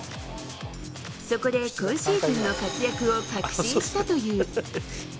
そこで今シーズンの活躍を確信したという。